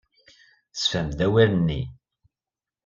Tessefhem-d awal-nni.